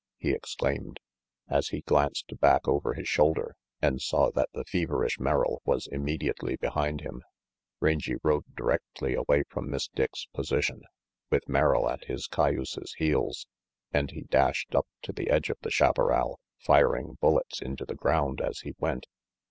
he exclaimed, as he glanced back over his shoulder and saw that the feverish Merrill was immediately behind him. Rangy rode directly away from Miss Dick's position, with Merrill at his cayuse's heels, and he dashed up to the edge of the chaparral, firing bullets into the ground as he went.